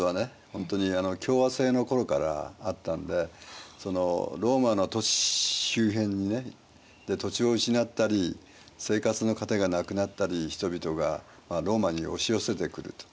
ほんとに共和政の頃からあったんでローマの都市周辺で土地を失ったり生活の糧がなくなったり人々がローマに押し寄せてくると。